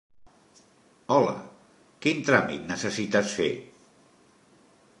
Hola, quin tràmit necessites fer?